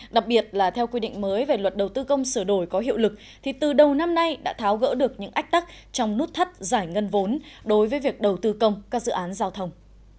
đặc biệt là theo quy định mới về luật đầu tư công sửa đổi có hiệu lực thì từ đầu năm nay đã tháo gỡ được những ách tắc trong nút thắt giải ngân vốn đối với việc đầu tư công các dự án giao thông